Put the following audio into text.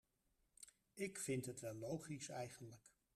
Ik vindt het wel logisch eigenlijk.